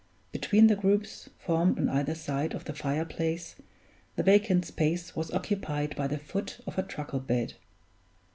Between the groups formed on either side of the fire place, the vacant space was occupied by the foot of a truckle bed.